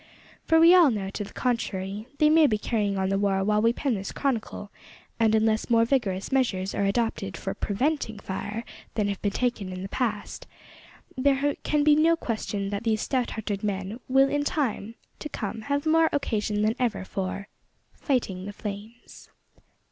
For all we know to the contrary, they may be carrying on the war while we pen this chronicle, and, unless more vigorous measures are adopted for preventing fire than have been taken in time past, there can be no question that these stout hearted men will in time to come have more occasion than ever for fighting the flames.